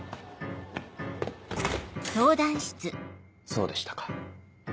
そうでしたか。